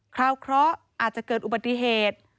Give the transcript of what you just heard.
คราวเคราะห์อาจจะเกิดอุบัติเหตุ